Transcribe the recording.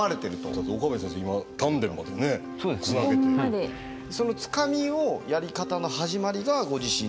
そのつかみをやり方の始まりがご自身の中心というか。